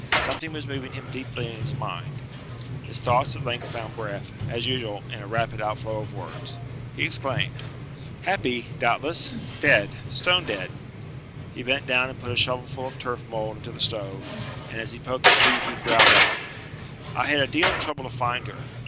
Something was moving him deeply in his mind. His thoughts at length found breath, as usual, in a rapid outflow of words. He exclaimed, "Happy, doubtless! Dead! stone dead!" He bent down, and put a shovelful of turf mould into the stove; and as he poked the peat he growled out, "I had a deal of trouble to find her.